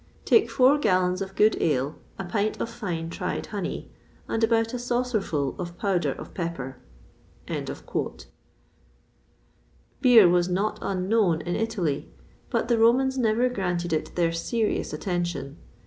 Take four gallons of good ale, a pynte of fyn tryed hony, and about a saucerful of powder of peper." Beer was hot unknown in Italy, but the Romans never granted it their serious attention.